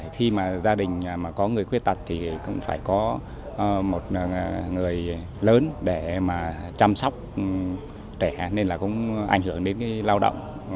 khi mà gia đình mà có người khuyết tật thì cũng phải có một người lớn để mà chăm sóc trẻ nên là cũng ảnh hưởng đến lao động